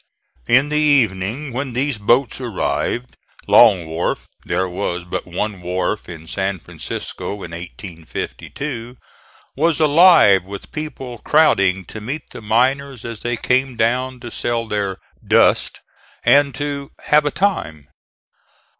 In the evening when these boats arrived, Long Wharf there was but one wharf in San Francisco in 1852 was alive with people crowding to meet the miners as they came down to sell their "dust" and to "have a time."